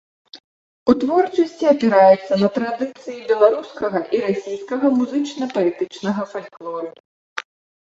У творчасці апіраецца на традыцыі беларускага і расійскага музычна-паэтычнага фальклору.